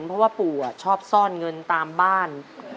เพราะว่าปู่ชอบซ่อนเงินตามบ้าน